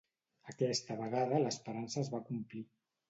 Aquesta vegada l'esperança es va complir.